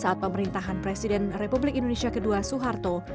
saat pemerintahan presiden republik indonesia ke dua soeharto